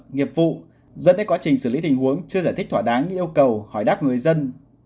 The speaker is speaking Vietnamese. nghiệp vụ dẫn tới quá trình xử lý tình huống chưa giải thích thỏa đáng như yêu cầu hỏi đáp người dân